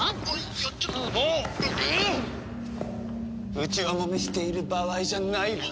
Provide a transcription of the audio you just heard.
内輪もめしている場合じゃないわ。